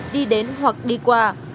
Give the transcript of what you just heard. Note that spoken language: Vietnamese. đi đến hoặc đi qua